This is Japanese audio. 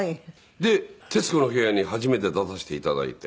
で『徹子の部屋』に初めて出させて頂いて。